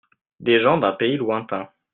Des gens d'un pays lointain.